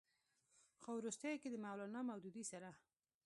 خو وروستو د مولانا مودودي سره